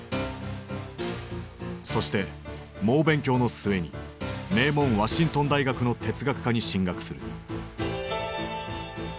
そして猛勉強の末に名門ワシントン大学の哲学科に進学する。